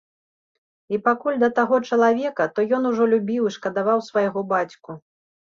І пакуль да таго чалавека, то ён ужо любіў і шкадаваў свайго бацьку.